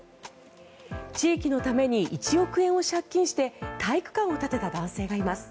地域のために１億円を借金して体育館を建てた男性がいます。